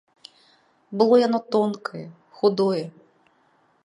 Было яно тонкае, худое.